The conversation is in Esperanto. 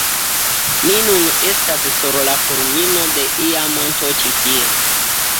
Ni nun estas sur la kulmino de ia monto ĉi tie